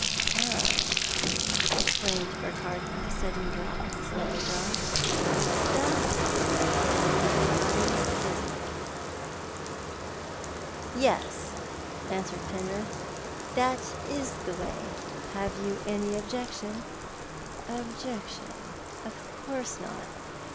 " Oh," exclaimed Urquhart, with a sudden drop of his lower jaw, " that's the way the land lies, is it? " I 'j^ ThoiL art the Man. " Yes," answered Penrith, "that is the way. Have you any objection ?""• Objection ! Of course not.